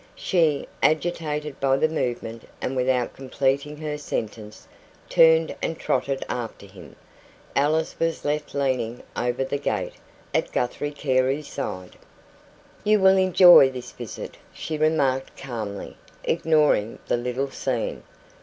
She, agitated by the movement, and without completing her sentence, turned and trotted after him. Alice was left leaning over the gate, at Guthrie Carey's side. "You will enjoy this visit," she remarked calmly, ignoring the little scene.